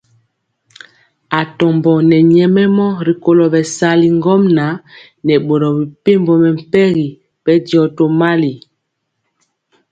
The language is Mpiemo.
Atɔmbɔ nɛ nyɛmemɔ rikolo bɛsali ŋgomnaŋ nɛ boro mepempɔ mɛmpegi bɛndiɔ tomali.